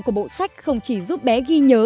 của bộ sách không chỉ giúp bé ghi nhớ